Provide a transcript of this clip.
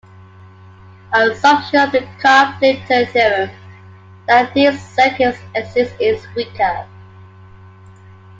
The assumption of the Karp-Lipton theorem, that these circuits exist, is weaker.